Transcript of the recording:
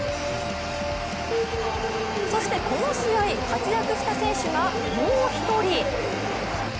そしてこの試合、活躍した選手がもう一人。